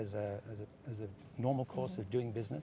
sebagai kursus normal untuk melakukan bisnis